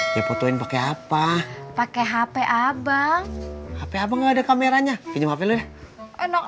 dia fotoin pakai apa pakai hp abang hp abang ada kameranya enak aja nanti tadi nggak bisa main game